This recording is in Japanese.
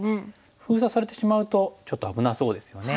封鎖されてしまうとちょっと危なそうですよね。